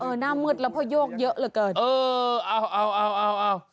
เออหน้าเมืดแล้วเพราะโยกเยอะเหลือเกินเออเอา